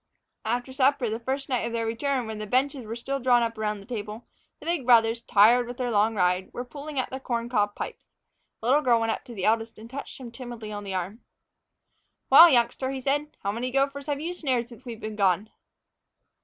After supper, the first night of their return, when the benches were still drawn up around the table, and the big brothers, tired with their long ride, were pulling at their corn cob pipes, the little girl went up to the eldest and touched him timidly on the arm. "Well, youngster," he said, "how many gophers have you snared since we've been gone?"